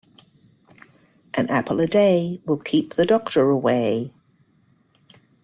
An apple a day, will keep the doctor away.